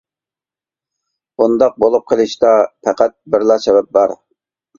بۇنداق بولۇپ قېلىشتا پەقەت بىرلا سەۋەب بار.